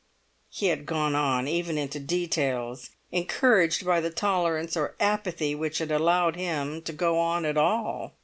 He had gone on, even into details, encouraged by the tolerance or apathy which had allowed him to go on at all.